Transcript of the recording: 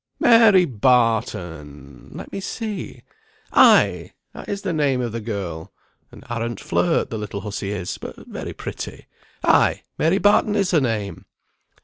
"Mary Barton! let me see. Ay, that is the name of the girl. An arrant flirt, the little hussy is; but very pretty. Ay, Mary Barton is her name."